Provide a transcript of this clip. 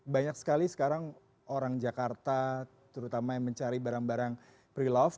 banyak sekali sekarang orang jakarta terutama yang mencari barang barang pre love